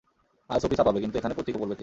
আর ছবি ছাপাবে, কিন্তু এখানে পত্রিকা পড়বে কে?